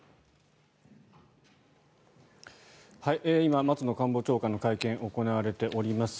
今、松野官房長官の会見行われております。